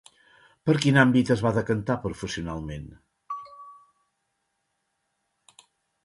Per quin àmbit es va decantar professionalment?